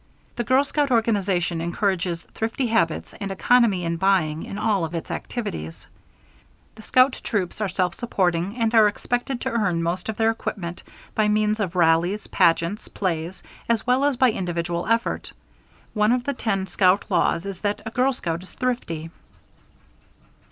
The girl scout organization encourages thrifty habits and economy in buying in all of its activities. The scout troops are self supporting, and are expected to earn most of their equipment by means of rallies, pageants, plays, as well as by individual effort. One of the 10 scout laws is that "A girl scout is thrifty."